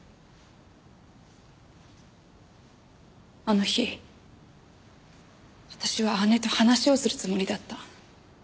あの日私は姉と話をするつもりだった。